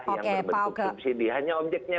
yang berbentuk subsidi hanya objeknya